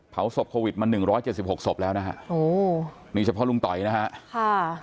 เผาศพโควิดมา๑๗๖ศพแล้วนะฮะโหนี่เฉพาะลุงต่อยนะฮะค่ะ